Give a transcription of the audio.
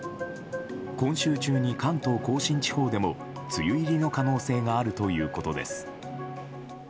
今週中に関東・甲信地方でも梅雨入りの可能性があるということです。